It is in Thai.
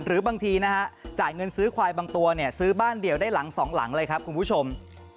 หรือบางทีนะฮะจ่ายเงินซื้อควายบางตัวเนี่ยซื้อบ้านเดี่ยวได้หลังสองหลังเลยครับคุณผู้ชม